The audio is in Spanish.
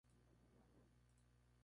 El reciente libro de la Dra.